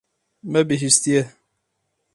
Me bihîstiye.